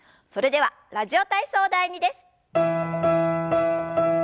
それでは「ラジオ体操第２」です。